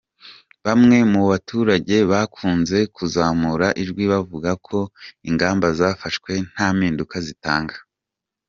Bamwe mu baturage bakunze kuzamura ijwi bavuga ko ingamba zafashwe nta mpinduka zitanga.